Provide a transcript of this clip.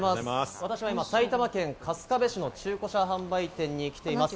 私は今、埼玉県春日部市の中古車販売店に来ています。